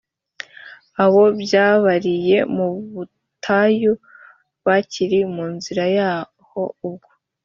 abo babyariye mu butayu bakiri mu nzira yaho ubwo